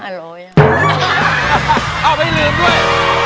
อ้าวไม่ลืมด้วย